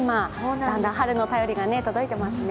だんだん春の便りが届いてますね。